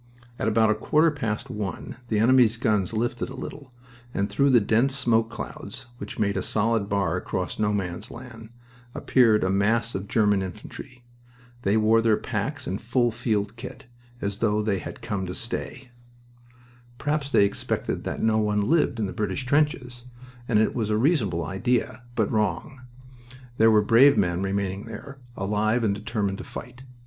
At about a quarter past one the enemy's guns lifted a little, and through the dense smoke clouds which made a solid bar across No Man's Land appeared a mass of German infantry. They wore their packs and full field kit, as though they had come to stay. Perhaps they expected that no one lived in the British trenches, and it was a reasonable idea, but wrong. There were brave men remaining there, alive and determined to fight.